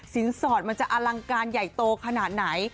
สอดมันจะอลังการใหญ่โตขนาดไหน